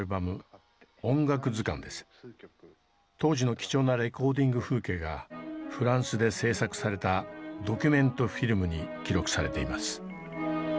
当時の貴重なレコーディング風景がフランスで制作されたドキュメントフィルムに記録されています。